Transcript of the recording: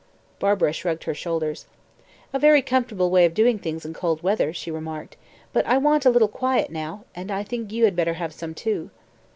Barbara shrugged her shoulders. "A very comfortable way of doing things in cold weather," she remarked; "but I want a little quiet now, and I think you had better have some too."